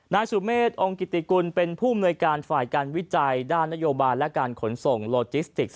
นายสุเมษองค์กิติกุลเป็นผู้อำนวยการฝ่ายการวิจัยด้านนโยบายและการขนส่งโลจิสติก